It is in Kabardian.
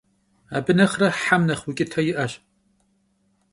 Abı nexhre hem nexh vuç'ıte yi'eş.